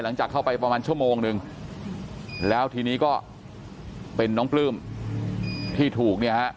หลังจากเข้าไปประมาณชั่วโมงนึงแล้วทีนี้ก็เป็นน้องปลื้มที่ถูกเนี่ยฮะ